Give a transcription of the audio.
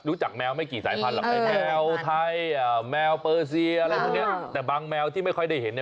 รู้จักแมวไม่กี่สายพันธุ์แมวไทยแมวเปอร์ซีอะไรเงี้ยแต่บางแมวที่ไม่ค่อยได้เห็น